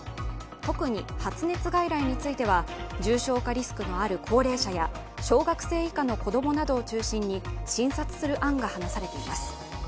特に発熱外来については重症化リスクのある高齢者や小学生以下の子供などを中心に診察する案が話されています。